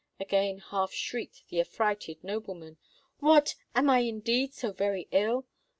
again half shrieked the affrighted nobleman. "What! am I indeed so very ill?